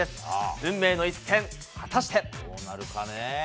運命の一戦、果たして。